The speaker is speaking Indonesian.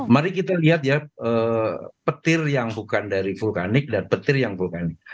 mari kita lihat ya petir yang bukan dari vulkanik dan petir yang vulkanik